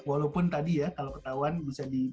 walaupun tadi ya kalau ketahuan bisa di